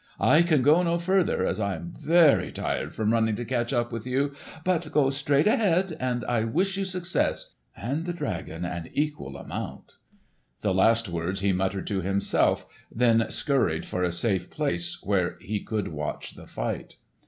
"I can go no farther, as I am very tired from running to catch up with you. But go straight ahead, and I wish you success—and the dragon an equal amount!" The last words he muttered to himself, then scurried for a safe place where he could watch the fight.